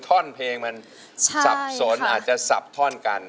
ท่อนเพลงมันสับสนอาจจะสับท่อนกัน